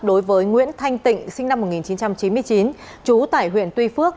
đối với nguyễn thanh tịnh sinh năm một nghìn chín trăm chín mươi chín chú tải huyện tuy phước